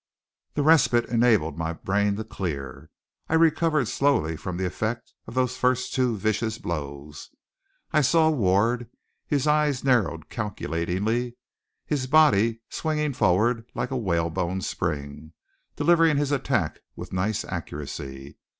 The respite enabled my brain to clear. I recovered slowly from the effect of those first two vicious blows. I saw Ward, his eyes narrowed calculatingly, his body swinging forward like a whalebone spring, delivering his attack with nice accuracy.